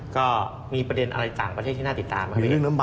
ก็มีประเด็นอะไรต่างประเทศที่น่าติดตามครับ